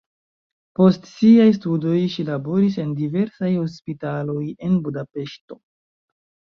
Post siaj studoj ŝi laboris en diversaj hospitaloj en Budapeŝto.